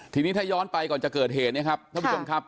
ทีนี้ถ้าย้อนไปก่อนจะเกิดเหตุเนี่ยครับท่านผู้ชมครับ